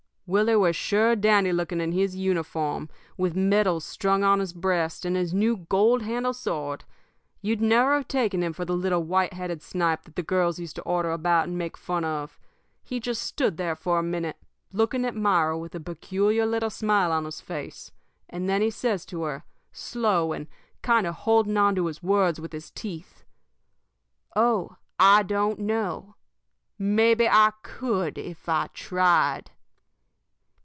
"Willie was sure dandy looking in his uniform, with medals strung on his breast and his new gold handled sword. You'd never have taken him for the little white headed snipe that the girls used to order about and make fun of. He just stood there for a minute, looking at Myra with a peculiar little smile on his face; and then he says to her, slow, and kind of holding on to his words with his teeth: "'_Oh, I don't know! Maybe I could if I tried!